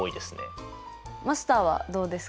マスターはどうですか？